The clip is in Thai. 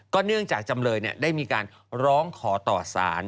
เนื่องจากจำเลยได้มีการร้องขอต่อสาร